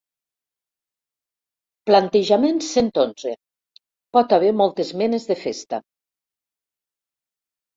Plantejament cent onze pot haver moltes menes de festa.